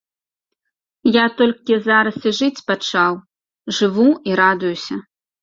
Я толькі зараз і жыць пачаў, жыву і радуюся.